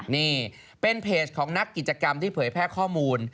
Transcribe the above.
นี่เป็นเพจของนักกิจกรรมที่เผยแพร่ข้อมูล